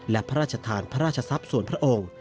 และพระราชทานพระราชทรัพย์ส่วนพระองค์